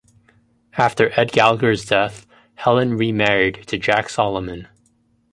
After Ed Gallagher's death, Helen remarried to Jack Solomon.